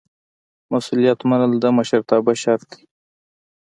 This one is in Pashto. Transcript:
مسؤلیت منل د مشرتابه شرط دی.